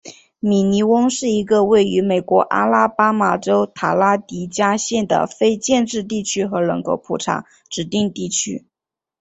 米尼翁是一个位于美国阿拉巴马州塔拉迪加县的非建制地区和人口普查指定地区。